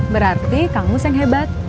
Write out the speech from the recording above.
berarti kang mus yang hebat